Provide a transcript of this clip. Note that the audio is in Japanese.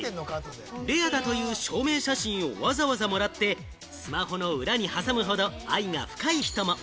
レアだという証明写真をわざわざもらってスマホの裏に挟むほど愛が深い人も。